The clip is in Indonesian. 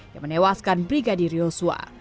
yang menewaskan brigadi yosua